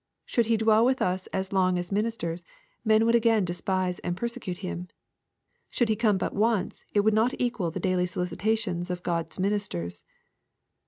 Should he dwell with us as long as ministers, men would again despise and perse cute him. Should he come but once, it would not equal the daily solicitations of Good's ministers."